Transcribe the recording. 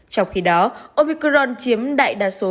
trong khi đó omicron chiếm đại đa số